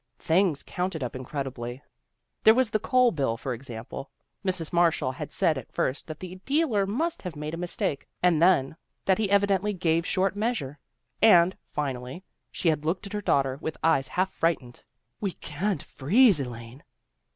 Things counted up incredibly. There was the coal bill, for example. Mrs. Marshall had said at first that the dealer must have made a mistake, and then, that he evidently gave short measure, and, finally, she had looked at her daughter with eyes half frightened. " We can't freeze, Elaine."